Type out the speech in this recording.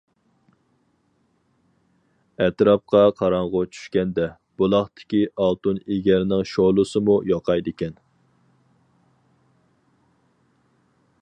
ئەتراپقا قاراڭغۇ چۈشكەندە، بۇلاقتىكى ئالتۇن ئېگەرنىڭ شولىسىمۇ يوقايدىكەن.